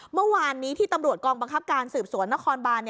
เมื่อวานนี้ที่ตำรวจกองบังคับการสืบสวนนครบาน